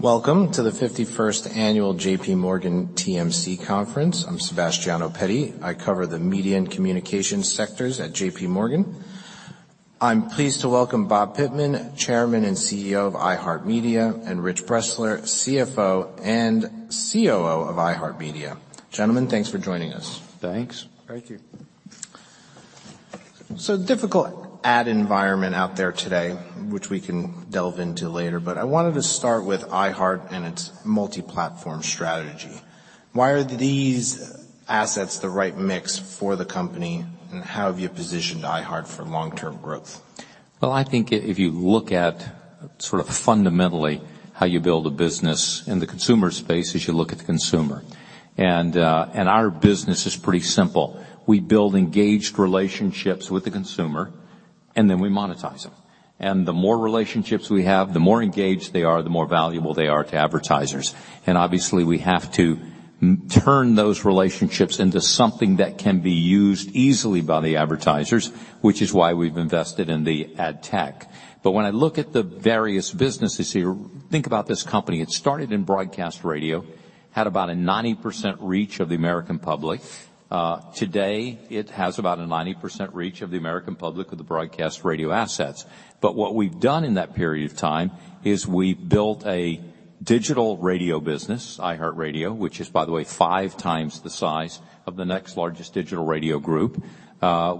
Welcome to the 51st annual JPMorgan TMT Conference. I'm Sebastiano Petti. I cover the media and communications sectors at JPMorgan. I'm pleased to welcome Bob Pittman, Chairman and CEO of iHeartMedia, and Rich Bressler, CFO and COO of iHeartMedia. Gentlemen, thanks for joining us. Thanks. Thank you. Difficult ad environment out there today, which we can delve into later, but I wanted to start with iHeart and its multi-platform strategy. Why are these assets the right mix for the company, and how have you positioned iHeart for long-term growth? Well, I think if you look at sort of fundamentally how you build a business in the consumer space is you look at the consumer. Our business is pretty simple. We build engaged relationships with the consumer, and then we monetize them. The more relationships we have, the more engaged they are, the more valuable they are to advertisers. Obviously, we have to turn those relationships into something that can be used easily by the advertisers, which is why we've invested in the ad tech. When I look at the various businesses here, think about this company. It started in broadcast radio, had about a 90% reach of the American public. Today, it has about a 90% reach of the American public with the broadcast radio assets. What we've done in that period of time is we've built a digital radio business, iHeartRadio, which is, by the way, five times the size of the next largest digital radio group.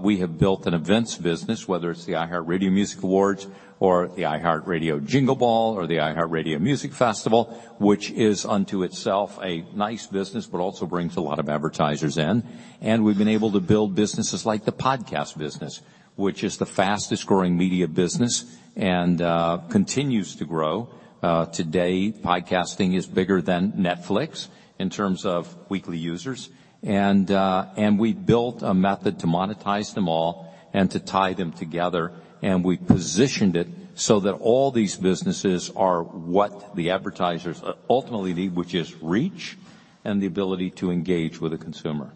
We have built an events business, whether it's the iHeartRadio Music Awards or the iHeartRadio Jingle Ball or the iHeartRadio Music Festival, which is unto itself a nice business, but also brings a lot of advertisers in. We've been able to build businesses like the podcast business, which is the fastest-growing media business and continues to grow. Today, podcasting is bigger than Netflix in terms of weekly users. We built a method to monetize them all and to tie them together, and we've positioned it so that all these businesses are what the advertisers ultimately need, which is reach and the ability to engage with the consumer.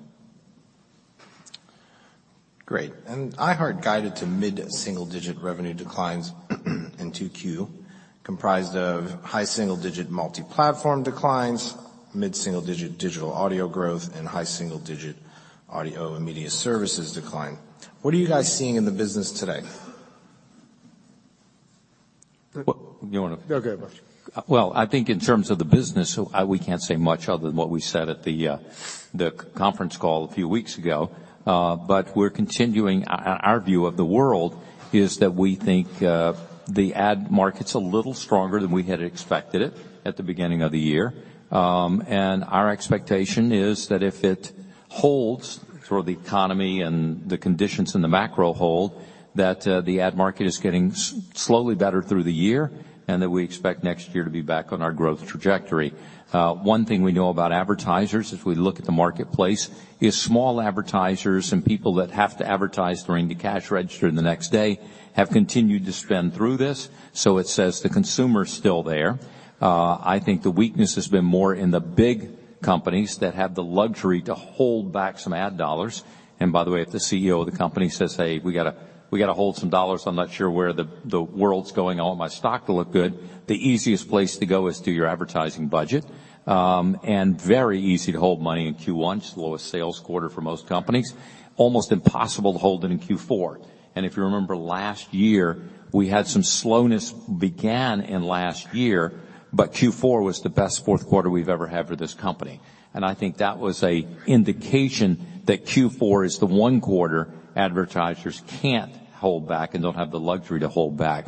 Great. iHeart guided to mid-single-digit revenue declines in 2Q, comprised of high single-digit Multiplatform declines, mid-single-digit Digital Audio growth, and high single-digit audio and media services decline. What are you guys seeing in the business today? Well, you. Go ahead, Bob. Well, I think in terms of the business, we can't say much other than what we said at the conference call a few weeks ago. We're continuing. Our view of the world is that we think the ad market's a little stronger than we had expected it at the beginning of the year. Our expectation is that if it holds for the economy and the conditions in the macro hold, that the ad market is getting slowly better through the year, and that we expect next year to be back on our growth trajectory. One thing we know about advertisers as we look at the marketplace is small advertisers and people that have to advertise to ring the cash register the next day have continued to spend through this. It says the consumer's still there. I think the weakness has been more in the big companies that have the luxury to hold back some ad dollars. By the way, if the CEO of the company says, "Hey, we gotta, we gotta hold some dollars. I'm not sure where the world's going. I want my stock to look good," the easiest place to go is to your advertising budget. Very easy to hold money in Q1, it's the lowest sales quarter for most companies. Almost impossible to hold it in Q4. If you remember last year, we had some slowness began in last year, but Q4 was the best fourth quarter we've ever had for this company. I think that was an indication that Q4 is the one quarter advertisers can't hold back and don't have the luxury to hold back.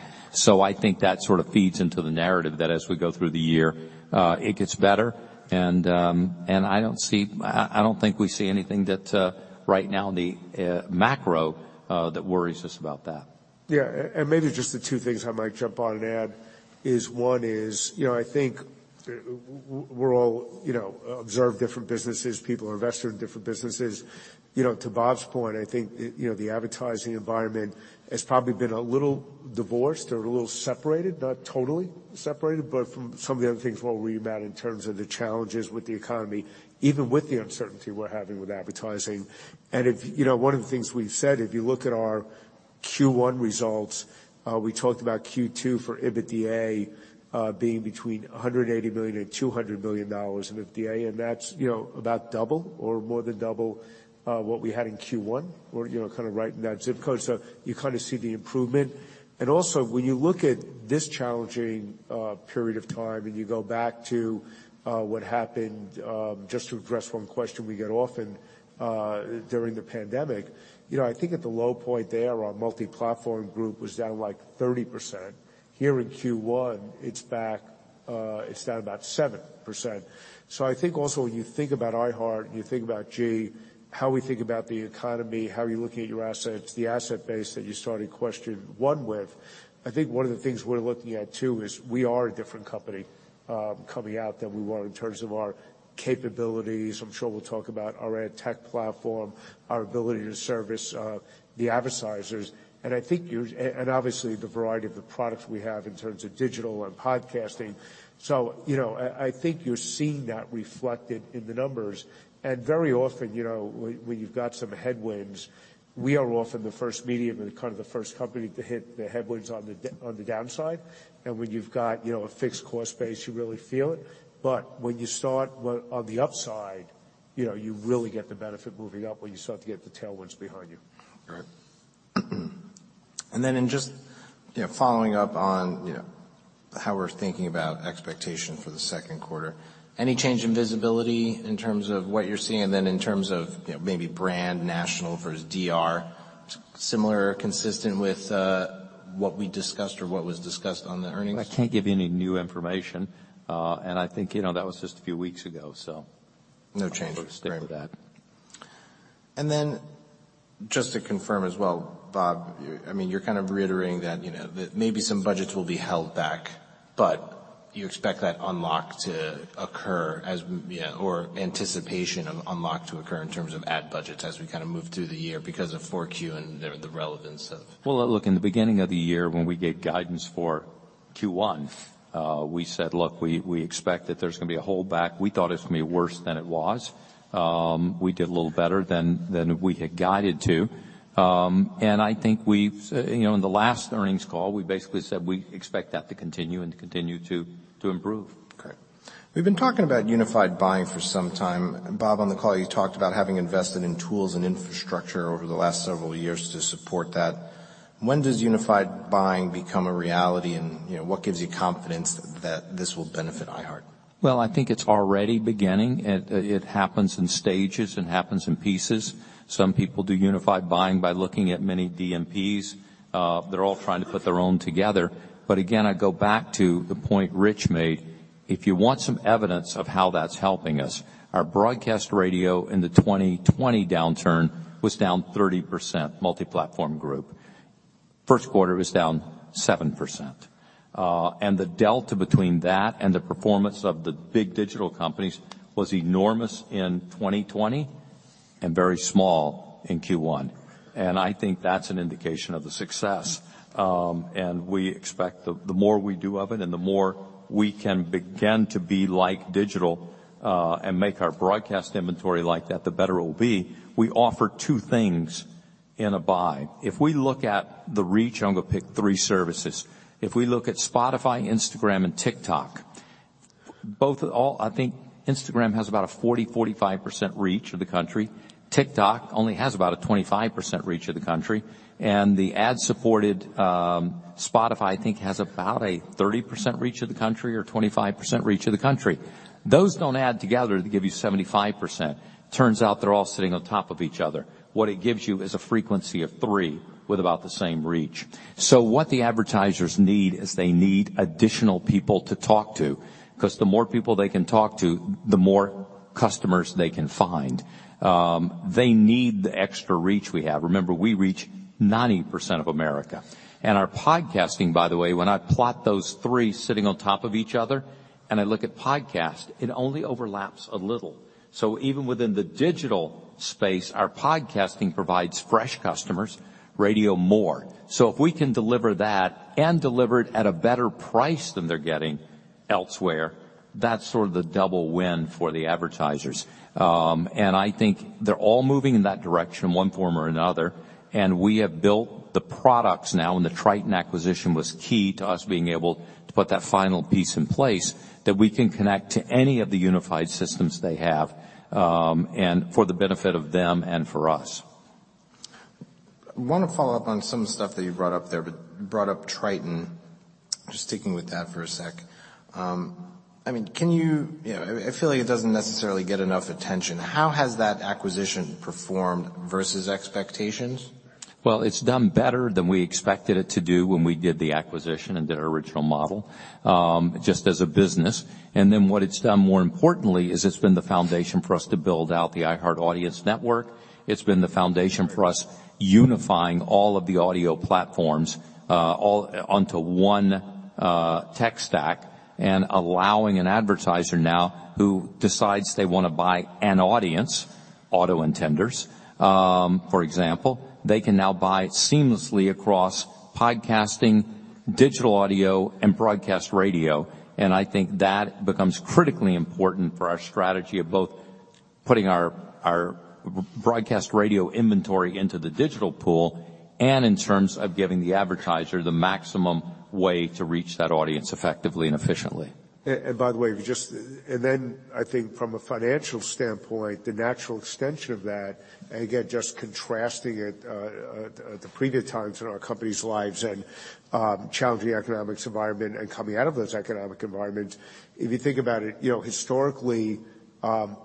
I think that sort of feeds into the narrative that as we go through the year, it gets better, and I don't think we see anything that, right now in the macro, that worries us about that. Yeah. Maybe just the two things I might jump on and add is, one is, you know, I think we're all, you know, observe different businesses. People are invested in different businesses. You know, to Bob's point, I think, you know, the advertising environment has probably been a little divorced or a little separated, not totally separated, but from some of the other things we're worried about in terms of the challenges with the economy, even with the uncertainty we're having with advertising. If, you know, one of the things we've said, if you look at our Q1 results, we talked about Q2 for EBITDA being between $180 million and $200 million in EBITDA, and that's, you know, about double or more than double what we had in Q1 or, you know, kind of right in that ZIP code. You kind of see the improvement. Also, when you look at this challenging period of time and you go back to what happened, just to address 1 question we get often during the pandemic, you know, I think at the low point there, our Multiplatform Group was down, like, 30%. Here in Q1, it's back, it's down about 7%. I think also when you think about iHeart and you think about, gee, how we think about the economy, how are you looking at your assets, the asset base that you started question 1 with, I think one of the things we're looking at too is we are a different company coming out than we were in terms of our capabilities. I'm sure we'll talk about our ad tech platform, our ability to service the advertisers, and obviously, the variety of the products we have in terms of digital and podcasting. You know, I think you're seeing that reflected in the numbers. Very often, you know, when you've got some headwinds, we are often the first medium and kind of the first company to hit the headwinds on the downside. When you've got, you know, a fixed cost base, you really feel it. When you start on the upside, you know, you really get the benefit moving up where you still have to get the tailwinds behind you. Right. In just, you know, following up on, you know, how we're thinking about expectation for the second quarter. Any change in visibility in terms of what you're seeing then in terms of, you know, maybe brand national versus DR, similar, consistent with, what we discussed or what was discussed on the earnings? I can't give you any new information. I think, you know, that was just a few weeks ago. No change. Agree. We'll stick with that. Just to confirm as well, Bob, I mean, you're kind of reiterating that, you know, that maybe some budgets will be held back, but you expect that unlock to occur or anticipation of unlock to occur in terms of ad budgets as we kind of move through the year because of 4Q and the relevance of. Well, look, in the beginning of the year when we gave guidance for Q1, we said, "Look, we expect that there's gonna be a holdback." We thought it was gonna be worse than it was. We did a little better than we had guided to. I think we've you know, in the last earnings call, we basically said we expect that to continue and to continue to improve. Okay. We've been talking about unified buying for some time. Bob, on the call, you talked about having invested in tools and infrastructure over the last several years to support that. When does unified buying become a reality? You know, what gives you confidence that this will benefit iHeart? Well, I think it's already beginning. It happens in stages and happens in pieces. Some people do unified buying by looking at many DMPs. They're all trying to put their own together. Again, I go back to the point Rich made. If you want some evidence of how that's helping us, our broadcast radio in the 2020 downturn was down 30% Multiplatform Group. First quarter was down 7%. The delta between that and the performance of the big digital companies was enormous in 2020 and very small in Q1. I think that's an indication of the success. We expect the more we do of it and the more we can begin to be like digital, and make our broadcast inventory like that, the better it will be. We offer two things in a buy. If we look at the reach, I'm gonna pick three services. If we look at Spotify, Instagram, and TikTok, I think Instagram has about a 40%-45% reach of the country. TikTok only has about a 25% reach of the country. The ad-supported Spotify, I think, has about a 30% reach of the country or 25% reach of the country. Those don't add together to give you 75%. Turns out they're all sitting on top of each other. What it gives you is a frequency of three with about the same reach. What the advertisers need is they need additional people to talk to, 'cause the more people they can talk to, the more customers they can find. They need the extra reach we have. Remember, we reach 90% of America. Our podcasting, by the way, when I plot those three sitting on top of each other, and I look at podcast, it only overlaps a little. Even within the digital space, our podcasting provides fresh customers, radio more. If we can deliver that and deliver it at a better price than they're getting elsewhere, that's sort of the double win for the advertisers. I think they're all moving in that direction, one form or another. We have built the products now, and the Triton acquisition was key to us being able to put that final piece in place, that we can connect to any of the unified systems they have, and for the benefit of them and for us. I wanna follow up on some stuff that you brought up there. Brought up Triton. Just sticking with that for a sec. I mean, You know, I feel like it doesn't necessarily get enough attention. How has that acquisition performed versus expectations? It's done better than we expected it to do when we did the acquisition and did our original model, just as a business. What it's done more importantly is it's been the foundation for us to build out the iHeart Audience Network. It's been the foundation for us unifying all of the audio platforms, all onto one tech stack and allowing an advertiser now who decides they wanna buy an audience, auto intenders, for example, they can now buy seamlessly across podcasting, digital audio, and broadcast radio. I think that becomes critically important for our strategy of both putting our broadcast radio inventory into the digital pool and in terms of giving the advertiser the maximum way to reach that audience effectively and efficiently. By the way, I think from a financial standpoint, the natural extension of that, and again, just contrasting it, the previous times in our company's lives and challenging economics environment and coming out of those economic environments. If you think about it, you know, historically,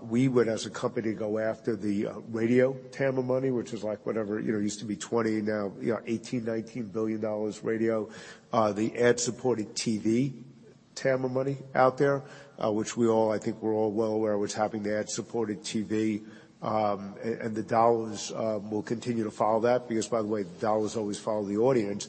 we would, as a company, go after the radio TAM money, which is like whatever, you know, used to be 20, now, you know, $18 billion-$19 billion radio. The ad-supported TV TAM money out there, which we all, I think, we're all well aware what's happening to ad-supported TV. And the dollars will continue to follow that because, by the way, dollars always follow the audience.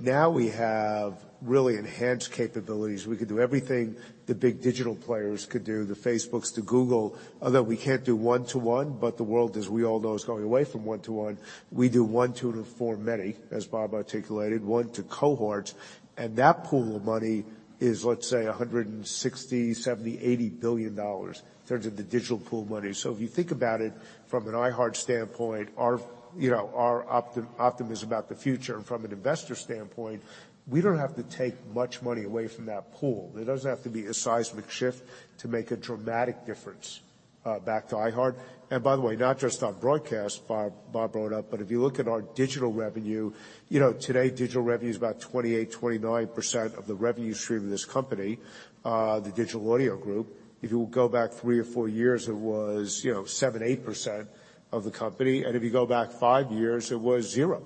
Now we have really enhanced capabilities. We can do everything the big digital players could do, the Facebook, the Google. We can't do one-to-one, but the world, as we all know, is going away from one-to-one. We do one to, for many, as Bob articulated, one to cohorts. That pool of money is, let's say, $160 billion-$180 billion in terms of the digital pool money. If you think about it from an iHeart standpoint, our, you know, our optimism about the future and from an investor standpoint, we don't have to take much money away from that pool. There doesn't have to be a seismic shift to make a dramatic difference back to iHeart. By the way, not just on broadcast, Bob brought up, but if you look at our digital revenue, you know, today, digital revenue is about 28%-29% of the revenue stream of this company, the Digital Audio Group. If you go back three or four years, it was, you know, 7%, 8% of the company. If you go back five years, it was zero.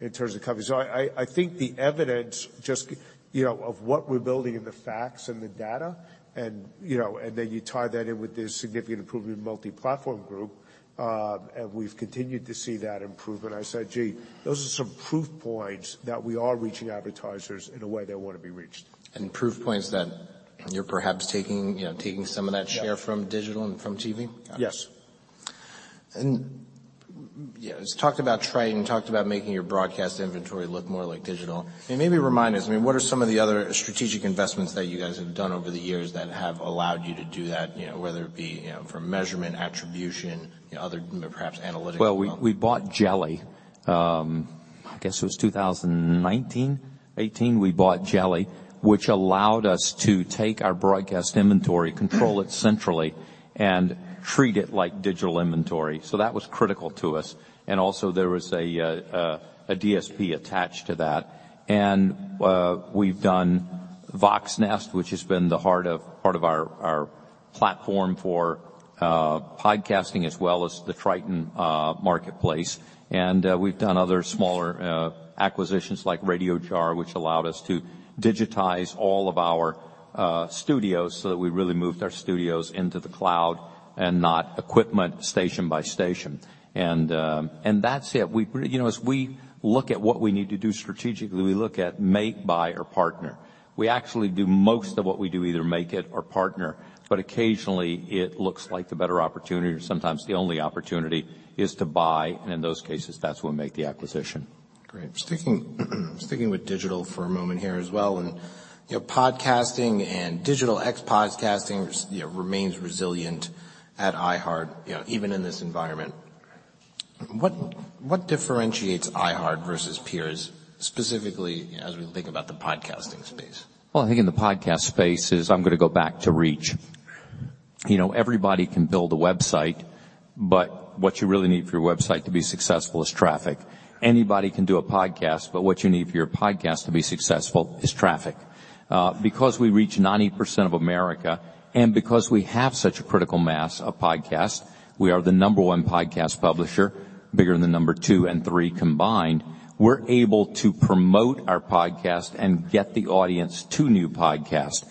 In terms of coverage. I think the evidence just, you know, of what we're building and the facts and the data and, you know, and then you tie that in with the significant improvement in Multiplatform Group, and we've continued to see that improvement. I said, "Gee, those are some proof points that we are reaching advertisers in a way they wanna be reached. Proof points that you're perhaps taking, you know, taking some of that share. Yes. from digital and from TV? Yes. Yeah, let's talk about Triton. You talked about making your broadcast inventory look more like digital. Maybe remind us, I mean, what are some of the other strategic investments that you guys have done over the years that have allowed you to do that, you know, whether it be, you know, from measurement, attribution, you know, other perhaps analytics as well? Well, we bought Jelli. I guess it was 2019, 2018, we bought Jelli, which allowed us to take our broadcast inventory, control it centrally and treat it like digital inventory. That was critical to us. Also there was a DSP attached to that. We've done Voxnest, which has been part of our platform for podcasting as well as the Triton Digital marketplace. We've done other smaller acquisitions like Radiojar, which allowed us to digitize all of our studios so that we really moved our studios into the cloud and not equipment station by station. That's it. You know, as we look at what we need to do strategically, we look at make, buy or partner. We actually do most of what we do, either make it or partner, but occasionally it looks like the better opportunity or sometimes the only opportunity is to buy, and in those cases, that's when we make the acquisition. Great. Sticking with digital for a moment here as well, you know, podcasting and digital x podcasting, you know, remains resilient at iHeart, you know, even in this environment. What differentiates iHeart versus peers specifically as we think about the podcasting space? Well, I think in the podcast space is I'm gonna go back to reach. You know, everybody can build a website, but what you really need for your website to be successful is traffic. Anybody can do a podcast, but what you need for your podcast to be successful is traffic. Because we reach 90% of America and because we have such a critical mass of podcasts, we are the number 1 podcast publisher, bigger than the number 2 and 3 combined. We're able to promote our podcast and get the audience to new podcasts.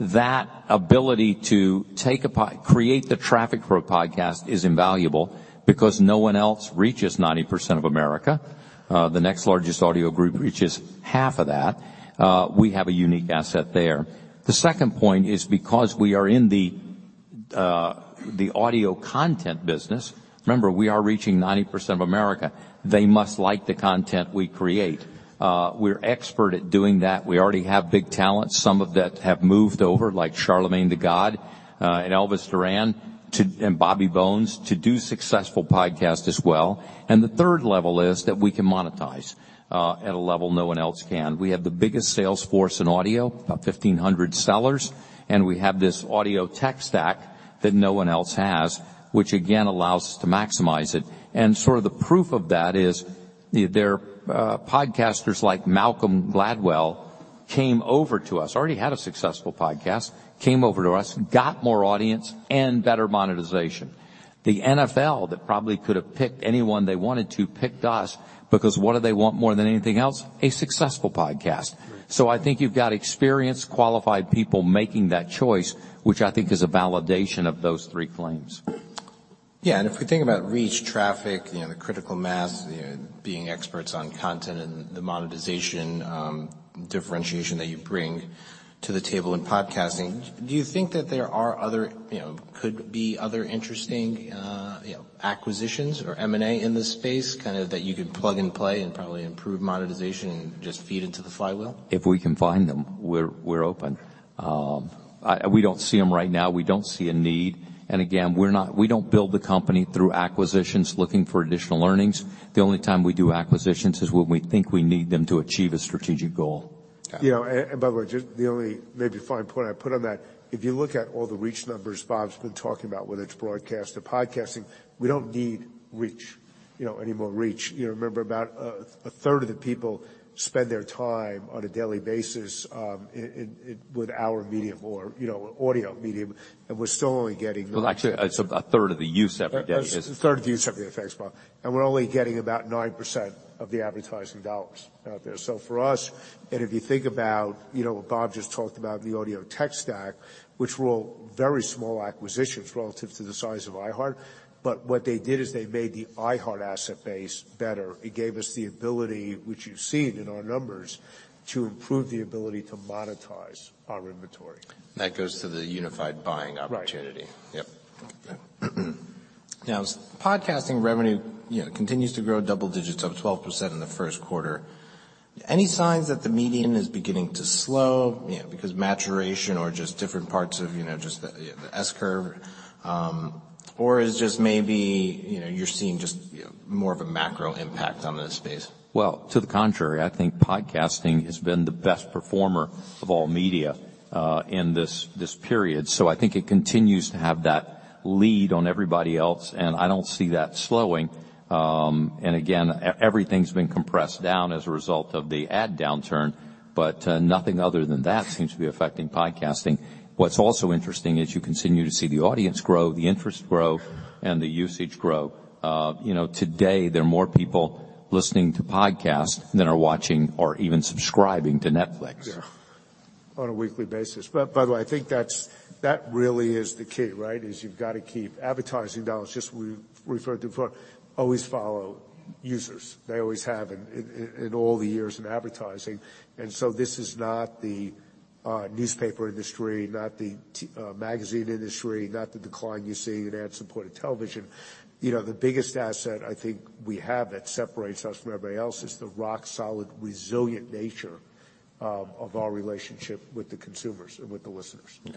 That ability to create the traffic for a podcast is invaluable because no one else reaches 90% of America. The next largest audio group reaches half of that. We have a unique asset there. The second point is because we are in the audio content business, remember, we are reaching 90% of America, they must like the content we create. We're expert at doing that. We already have big talent, some of that have moved over, like Charlamagne Tha God and Elvis Duran and Bobby Bones to do successful podcasts as well. The third level is that we can monetize at a level no one else can. We have the biggest sales force in audio, about 1,500 sellers, and we have this audio tech stack that no one else has, which again, allows us to maximize it. Sort of the proof of that is their podcasters like Malcolm Gladwell came over to us, already had a successful podcast, came over to us, got more audience and better monetization. The NFL, that probably could have picked anyone they wanted to, picked us because what do they want more than anything else? A successful podcast. Right. I think you've got experienced, qualified people making that choice, which I think is a validation of those three claims. Yeah. If we think about reach, traffic, you know, the critical mass, you know, being experts on content and the monetization, differentiation that you bring to the table in podcasting, do you think that there are other, you know, could be other interesting, you know, acquisitions or M&A in this space, kind of, that you could plug and play and probably improve monetization and just feed into the flywheel? If we can find them, we're open. We don't see them right now. We don't see a need. Again, we don't build the company through acquisitions looking for additional earnings. The only time we do acquisitions is when we think we need them to achieve a strategic goal. You know, by the way, just the only maybe fine point I'd put on that, if you look at all the reach numbers Bob's been talking about, whether it's broadcast or podcasting, we don't need reach, you know, any more reach. You know, remember, about a third of the people spend their time on a daily basis in with our medium or, you know, audio medium, we're still only getting. Well, actually, it's a third of the use every day. A third of the use every day. Thanks, Bob. We're only getting about 9% of the advertising dollars out there. For us, if you think about, you know, what Bob just talked about, the audio tech stack, which were all very small acquisitions relative to the size of iHeart, what they did is they made the iHeart asset base better. It gave us the ability, which you've seen in our numbers, to improve the ability to monetize our inventory. That goes to the unified buying opportunity. Right. Yep. Yeah. Podcasting revenue, you know, continues to grow double digits, up 12% in the first quarter. Any signs that the median is beginning to slow, you know, because maturation or just different parts of, you know, just the S-curve, or is just maybe, you know, you're seeing just, you know, more of a macro impact on the space? To the contrary, I think podcasting has been the best performer of all media in this period. I think it continues to have that lead on everybody else, and I don't see that slowing. Again, everything's been compressed down as a result of the ad downturn, but nothing other than that seems to be affecting podcasting. What's also interesting is you continue to see the audience grow, the interest grow and the usage grow. You know, today there are more people listening to podcasts than are watching or even subscribing to Netflix. Yeah. On a weekly basis. By the way, I think that's, that really is the key, right? You've gotta keep advertising dollars, just we referred to before, always follow users. They always have in all the years in advertising. This is not the newspaper industry, not the magazine industry, not the decline you see in ad-supported television. You know, the biggest asset I think we have that separates us from everybody else is the rock solid, resilient nature of our relationship with the consumers and with the listeners. Yeah.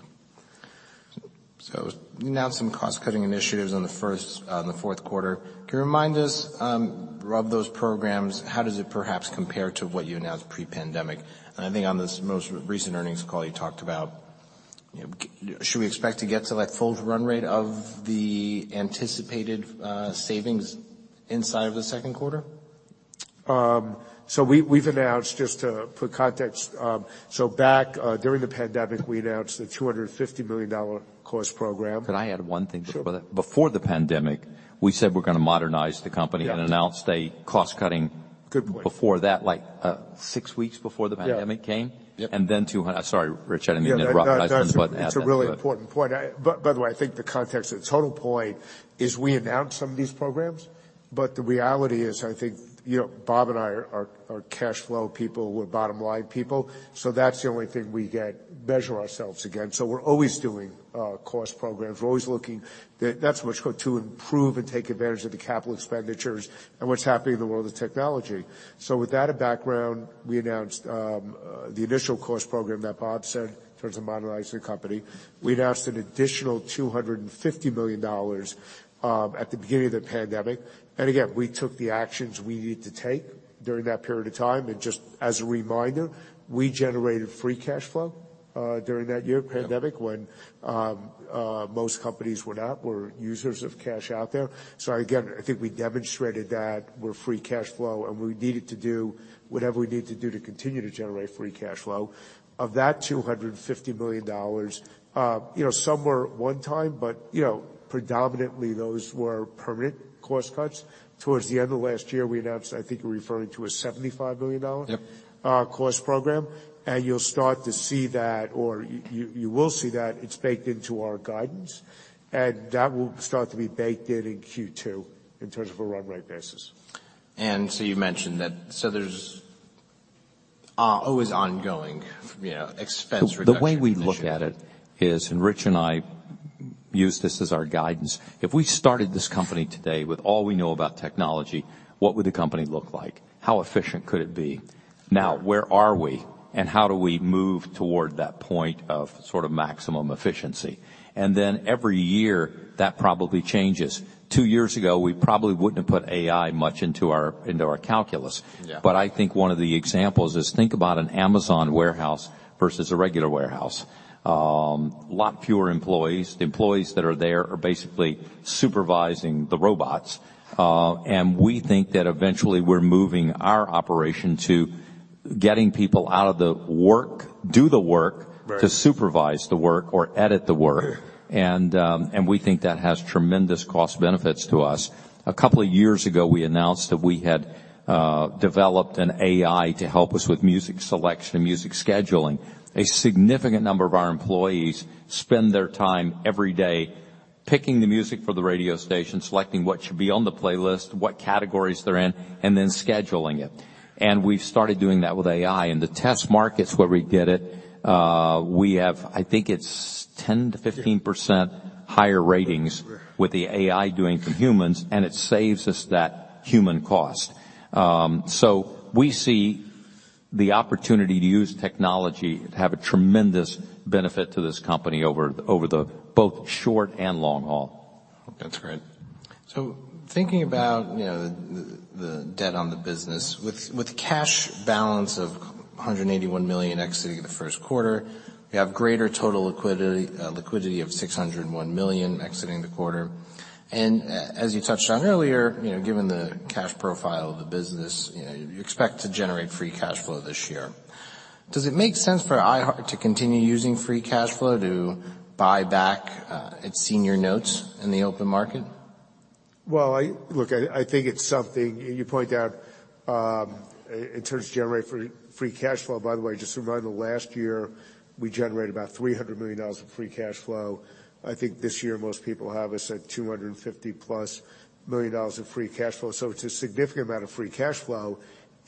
you announced some cost-cutting initiatives on the fourth quarter. Can you remind us of those programs? How does it perhaps compare to what you announced pre-pandemic? I think on this most recent earnings call, you talked about, you know, should we expect to get to that full run rate of the anticipated savings inside of the second quarter? We, we've announced, just to put context, so back, during the pandemic, we announced a $250 million cost program. Can I add one thing to that? Sure. Before the pandemic, we said we're gonna modernize the company. Yeah. -and announced a cost cutting- Good point.... before that, like, six weeks before the pandemic came. Yeah. Yep. Sorry, Rich, I didn't mean to interrupt you, but add that to it. That's a really important point. By the way, I think the context of the total point is we announced some of these programs, but the reality is, I think, you know, Bob and I are cash flow people, we're bottom line people, that's the only thing we get measure ourselves against. We're always doing cost programs. We're always looking, that's what's going to improve and take advantage of the capital expenditures and what's happening in the world of technology. With that background, we announced the initial cost program that Bob said in terms of modernizing the company. We'd asked an additional $250 million at the beginning of the pandemic. Again, we took the actions we needed to take during that period of time. Just as a reminder, we generated free cash flow during that year. Yeah. -pandemic when, most companies were not. We're users of cash out there. Again, I think we demonstrated that we're free cash flow, and we needed to do whatever we need to do to continue to generate free cash flow. Of that $250 million, you know, some were one-time, but, you know, predominantly those were permanent cost cuts. Towards the end of last year, we announced, I think you're referring to a $75 million- Yep. cost program. You'll start to see that or you will see that it's baked into our guidance, and that will start to be baked in in Q2 in terms of a run rate basis. You mentioned that, there's always ongoing, you know, expense reduction initiative. The way we look at it is, Rich and I use this as our guidance, if we started this company today with all we know about technology, what would the company look like? How efficient could it be? Where are we, and how do we move toward that point of sort of maximum efficiency? Every year, that probably changes. Two years ago, we probably wouldn't have put AI much into our, into our calculus. Yeah. I think one of the examples is think about an Amazon warehouse versus a regular warehouse. A lot fewer employees. Employees that are there are basically supervising the robots. We think that eventually we're moving our operation to getting people out of the work, do the work- Right. to supervise the work or edit the work. Yeah. We think that has tremendous cost benefits to us. A couple of years ago, we announced that we had developed an AI to help us with music selection, music scheduling. A significant number of our employees spend their time every day picking the music for the radio station, selecting what should be on the playlist, what categories they're in, and then scheduling it. We've started doing that with AI. In the test markets where we did it, we have, I think it's 10%-15% higher ratings with the AI doing from humans, and it saves us that human cost. We see the opportunity to use technology to have a tremendous benefit to this company over the both short and long haul. That's great. Thinking about, you know, the debt on the business, with cash balance of $181 million exiting the first quarter, you have greater total liquidity of $601 million exiting the quarter. As you touched on earlier, you know, given the cash profile of the business, you know, you expect to generate free cash flow this year. Does it make sense for iHeart to continue using free cash flow to buy back its senior notes in the open market? Well, Look, I think it's something, you point out, in terms of generating free cash flow. By the way, just to remind you, last year, we generated about $300 million of free cash flow. I think this year most people have us at $250+ million of free cash flow. It's a significant amount of free cash flow.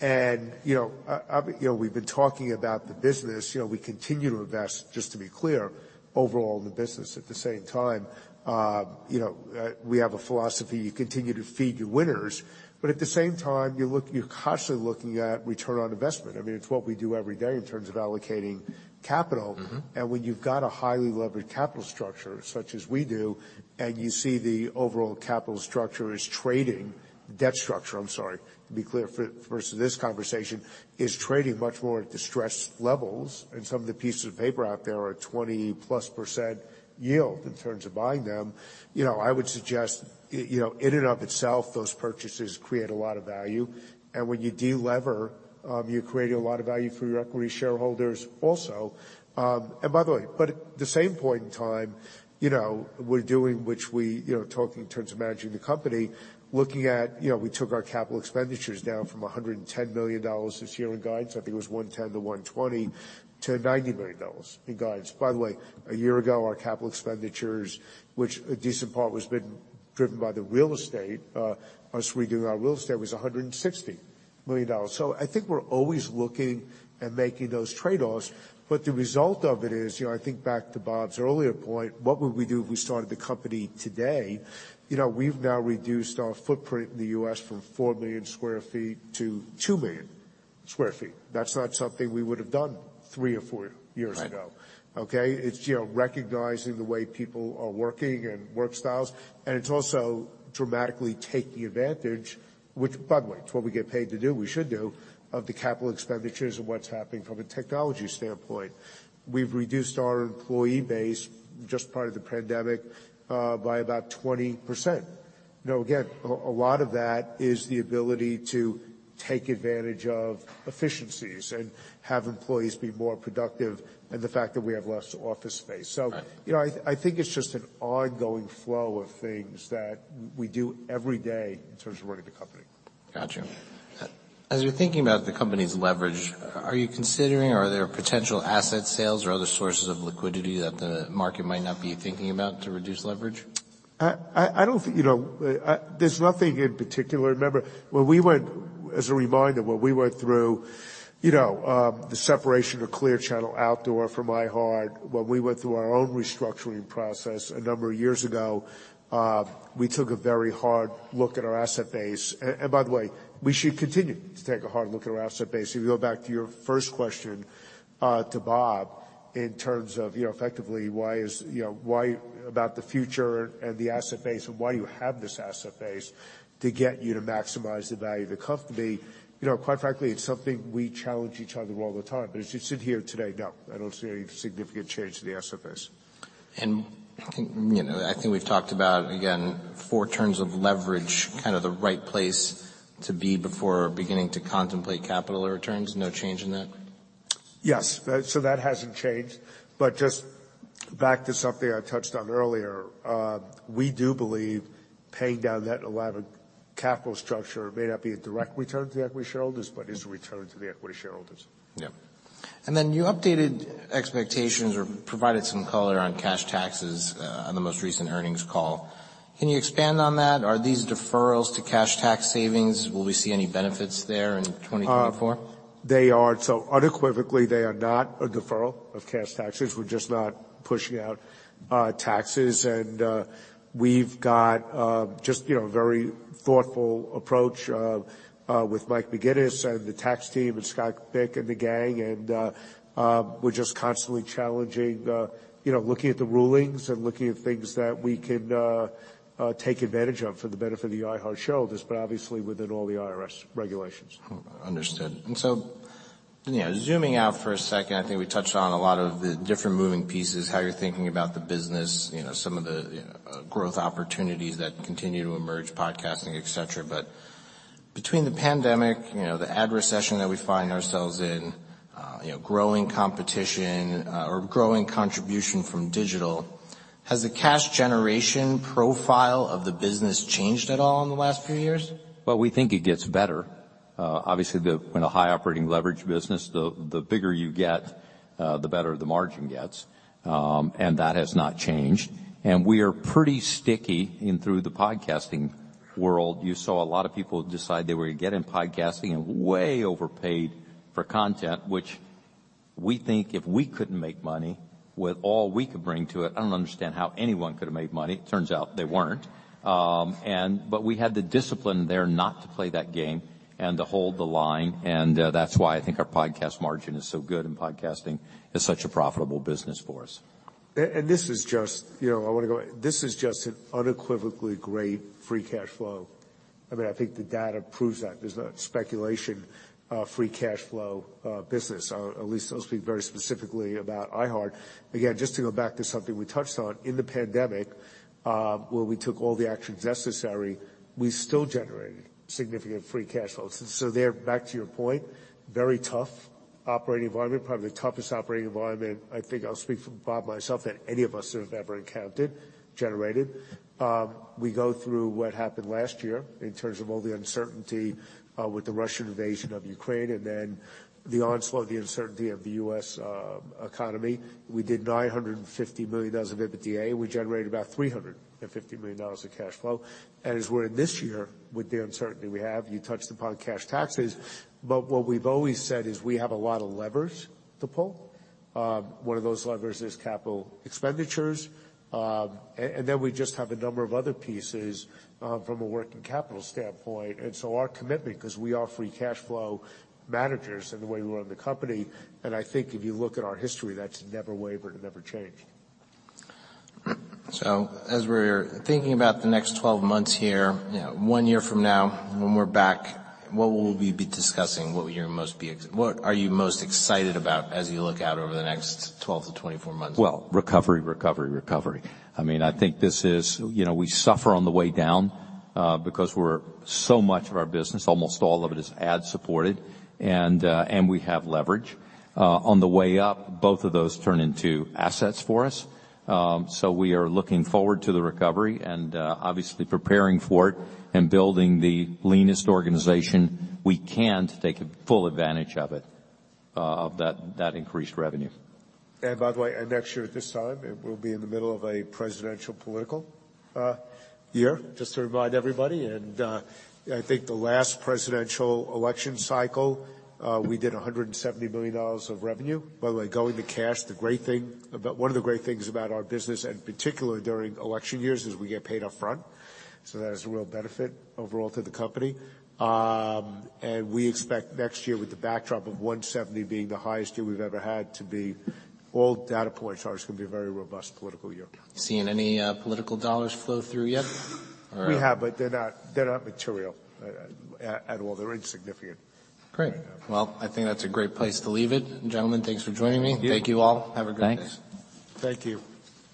You know, you know, we've been talking about the business. You know, we continue to invest, just to be clear, overall in the business. At the same time, you know, we have a philosophy, you continue to feed your winners. At the same time, you're constantly looking at return on investment. I mean, it's what we do every day in terms of allocating capital. Mm-hmm. When you've got a highly leveraged capital structure, such as we do, and you see the overall capital structure is trading, debt structure, I'm sorry, to be clear first for this conversation, is trading much more at distressed levels, and some of the pieces of paper out there are a 20%+ yield in terms of buying them, you know, I would suggest, you know, in and of itself, those purchases create a lot of value. When you de-lever, you're creating a lot of value for your equity shareholders also. By the way, but at the same point in time, you know, we're doing, which we, you know, talking in terms of managing the company, looking at, you know, we took our capital expenditures down from $110 million this year in guidance, I think it was $110 million-$120 million, to $90 million in guidance. By the way, a year ago, our capital expenditures, which a decent part was driven by the real estate, us redoing our real estate was $160 million. I think we're always looking at making those trade-offs. The result of it is, you know, I think back to Bob's earlier point, what would we do if we started the company today? You know, we've now reduced our footprint in the US from 4 million sq ft to 2 million sq ft. That's not something we would've done three or four years ago. Right. Okay? It's, you know, recognizing the way people are working and work styles, it's also dramatically taking advantage, which by the way, it's what we get paid to do, we should do, of the capital expenditures and what's happening from a technology standpoint. We've reduced our employee base just prior to the pandemic, by about 20%. You know, again, a lot of that is the ability to take advantage of efficiencies and have employees be more productive, the fact that we have less office space. Right. You know, I think it's just an ongoing flow of things that we do every day in terms of running the company. Gotcha. As you're thinking about the company's leverage, are there potential asset sales or other sources of liquidity that the market might not be thinking about to reduce leverage? I don't think, you know. There's nothing in particular. Remember, as a reminder, when we went through, you know, the separation of Clear Channel Outdoor from iHeart, when we went through our own restructuring process a number of years ago, we took a very hard look at our asset base. By the way, we should continue to take a hard look at our asset base. If you go back to your first question, to Bob, in terms of, you know, effectively why is, you know, why about the future and the asset base, and why you have this asset base to get you to maximize the value of the company, you know, quite frankly, it's something we challenge each other all the time. As you sit here today, no, I don't see any significant change to the asset base. I think, you know, I think we've talked about, again, four terms of leverage, kind of the right place to be before beginning to contemplate capital returns. No change in that? Yes. That hasn't changed. Just back to something I touched on earlier, we do believe paying down debt and a lot of capital structure may not be a direct return to the equity shareholders, but is a return to the equity shareholders. Yeah. You updated expectations or provided some color on cash taxes on the most recent earnings call. Can you expand on that? Are these deferrals to cash tax savings? Will we see any benefits there in 2024? Unequivocally, they are not a deferral of cash taxes. We're just not pushing out taxes. We've got, you know, a very thoughtful approach with Mike McGuinness and the tax team, and Scott Bickel and the gang. We're just constantly challenging, you know, looking at the rulings and looking at things that we can take advantage of for the benefit of the iHeart shareholders, but obviously within all the IRS regulations. Understood. You know, zooming out for a second, I think we touched on a lot of the different moving pieces, how you're thinking about the business, you know, some of the growth opportunities that continue to emerge, podcasting, et cetera. Between the pandemic, you know, the ad recession that we find ourselves in, you know, growing competition, or growing contribution from digital, has the cash generation profile of the business changed at all in the last few years? Well, we think it gets better. Obviously, in a high operating leverage business, the bigger you get, the better the margin gets. That has not changed. We are pretty sticky in through the podcasting world. You saw a lot of people decide they were getting podcasting and way overpaid for content, which we think if we couldn't make money with all we could bring to it, I don't understand how anyone could have made money. It turns out they weren't. We had the discipline there not to play that game and to hold the line, that's why I think our podcast margin is so good and podcasting is such a profitable business for us. This is just, you know, an unequivocally great free cash flow. I mean, I think the data proves that. There's no speculation of free cash flow business, or at least I'll speak very specifically about iHeart. Again, just to go back to something we touched on, in the pandemic, where we took all the actions necessary, we still generated significant free cash flows. There, back to your point, very tough operating environment, probably the toughest operating environment, I think I'll speak for Bob and myself, that any of us have ever encountered, generated. We go through what happened last year in terms of all the uncertainty with the Russian invasion of Ukraine, and then the onslaught of the uncertainty of the U.S. economy. We did $950 million of EBITDA. We generated about $350 million of cash flow. As we're in this year with the uncertainty we have, you touched upon cash taxes. What we've always said is we have a lot of levers to pull. One of those levers is capital expenditures. And then we just have a number of other pieces from a working capital standpoint. Our commitment, 'cause we are free cash flow managers in the way we run the company, and I think if you look at our history, that's never wavered and never changed. As we're thinking about the next 12 months here, you know, one year from now when we're back, what will we be discussing? What are you most excited about as you look out over the next 12-24 months? Well, recovery, recovery. I mean, I think this is, you know, we suffer on the way down, because so much of our business, almost all of it is ad supported, and we have leverage. On the way up, both of those turn into assets for us. We are looking forward to the recovery and, obviously preparing for it and building the leanest organization we can to take full advantage of it, of that increased revenue. By the way, next year at this time, it will be in the middle of a presidential political year, just to remind everybody. I think the last presidential election cycle, we did $170 million of revenue. By the way, going to cash, the great thing about one of the great things about our business, and particularly during election years, is we get paid upfront. That is a real benefit overall to the company. We expect next year with the backdrop of 170 being the highest year we've ever had to be, all data points are it's gonna be a very robust political year. Seeing any political dollars flow through yet? We have, but they're not material at all. They're insignificant. Great. Well, I think that's a great place to leave it. Gentlemen, thanks for joining me. Thank you. Thank you all. Have a great day. Thanks. Thank you.